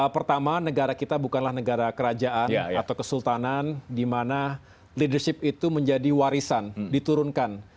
pertama negara kita bukanlah negara kerajaan atau kesultanan di mana leadership itu menjadi warisan diturunkan